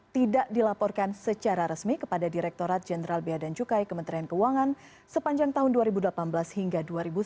tidak dilaporkan secara resmi kepada direkturat jenderal bea dan cukai kementerian keuangan sepanjang tahun dua ribu delapan belas hingga dua ribu sembilan belas